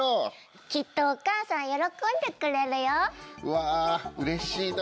わあうれしいな。